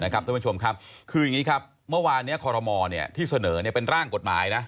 คืออย่างนี้ครับเมื่อวานนี้คอลโลมอลที่เสนอเป็นร่างกฎหมายนะ